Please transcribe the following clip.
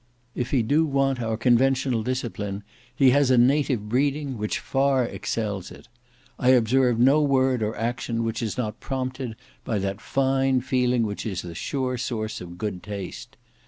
If he do want our conventional discipline, he has a native breeding which far excels it. I observe no word or action which is not prompted by that fine feeling which is the sure source of good taste.